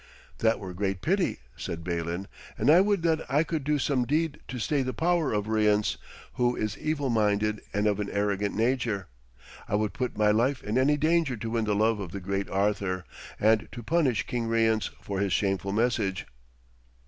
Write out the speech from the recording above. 'That were great pity,' said Balin, 'and I would that I could do some deed to stay the power of Rience, who is evil minded and of an arrogant nature. I would put my life in any danger to win the love of the great Arthur, and to punish King Rience for his shameful message.'